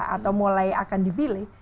atau mulai akan dibilih